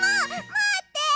まって！